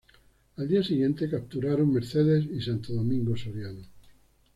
Al día siguiente capturan Mercedes y Santo Domingo Soriano.